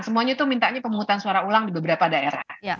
semuanya itu mintanya pemungutan suara ulang di beberapa daerah